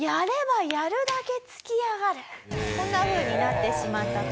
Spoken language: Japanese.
こんなふうになってしまったと。